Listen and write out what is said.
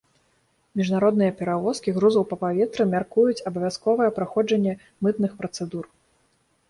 Міжнародныя перавозкі грузаў па паветры мяркуюць абавязковае праходжанне мытных працэдур.